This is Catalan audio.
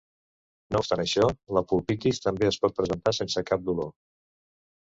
No obstant això, la pulpitis també es pot presentar sense cap dolor.